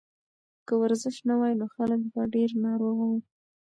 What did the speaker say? که ورزش نه وای نو خلک به ډېر ناروغه وو.